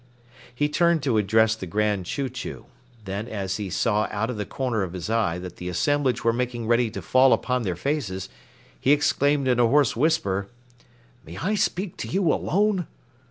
He turned to address the Grand Chew Chew; then as he saw out of the corner of his eye that the assemblage were making ready to fall upon their faces, he exclaimed in a hoarse whisper: "May I speak to you alone?"